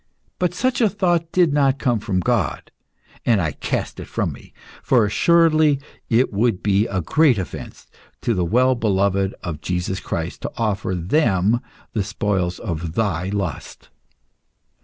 But such a thought did not come from God, and I cast it from me, for assuredly it would be a great offence to the well beloved of Jesus Christ to offer them the spoils of thy lust.